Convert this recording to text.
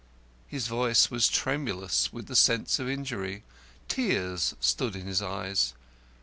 His voice was tremulous with the sense of injury. Tears stood in his eyes.